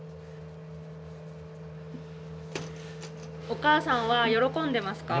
お母さんは喜んでますか？